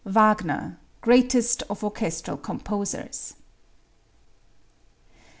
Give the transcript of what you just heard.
Wagner, Greatest of Orchestral Composers.